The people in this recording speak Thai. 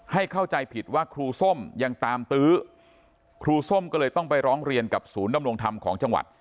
เข้าใจผิดว่าครูส้มยังตามตื้อครูส้มก็เลยต้องไปร้องเรียนกับศูนย์ดำรงธรรมของจังหวัด